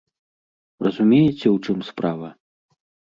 Разумееце, у чым справа?